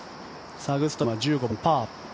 サグストロムは１５番パー。